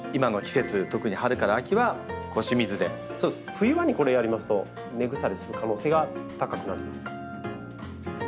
冬場にこれやりますと根腐れする可能性が高くなるんです。